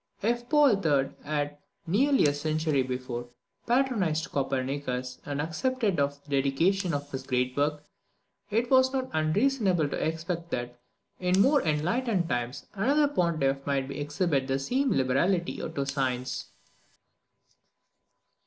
If Paul III. had, nearly a century before, patronised Copernicus, and accepted of the dedication of his great work, it was not unreasonable to expect that, in more enlightened times, another Pontiff might exhibit the same liberality to science.